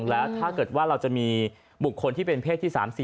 แล้วถ้าเกิดว่าเราจะมีบุคคลที่เป็นเพศที่๓๐